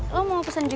lo mau pesen apa